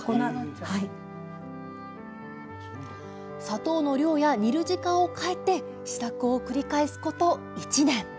砂糖の量や煮る時間を変えて試作を繰り返すこと１年。